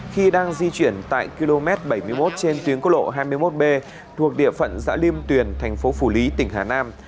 khi đang di chuyển tại km bảy mươi một trên tuyến cốt lộ hai mươi một b thuộc địa phận xã liêm tuyền thành phố phủ lý tỉnh hà nam